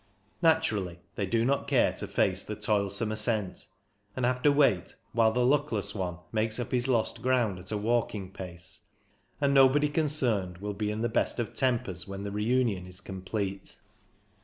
Naturally they do not care to face the toilsome as cent, and have to wait while the luckless one makes up his lost ground at a walking pace, and nobody concerned will be in the o 240 CYCLING IN THE ALPS best of tempers when the reunion is com plete.